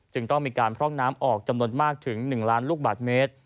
ต้องมีการพร่องน้ำออกจำนวนมากถึง๑ล้านลูกบาทเมตร